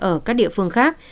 ở các địa phương khác